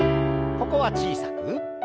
ここは小さく。